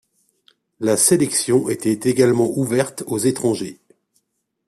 La sélection était également ouverte aux étrangers.